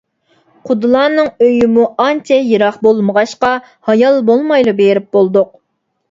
قۇدىلارنىڭ ئۆيىمۇ ئانچە يىراق بولمىغاچقا، ھايال بولمايلا بېرىپ بولدۇق.